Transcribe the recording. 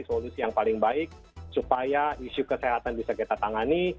solusi yang paling baik supaya isu kesehatan bisa kita tangani